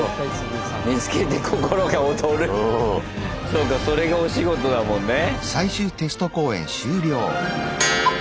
そうかそれがお仕事だもんね。